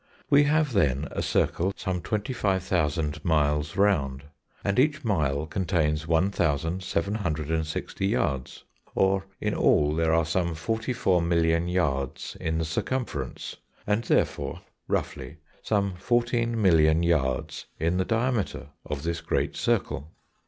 We have then a circle some twenty five thousand miles round, and each mile contains one thousand seven hundred and sixty yards: or in all there are some forty four million yards in the circumference, and therefore (roughly) some fourteen million yards in the diameter of this great circle.